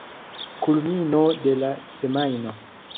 Kulmino de la semajno.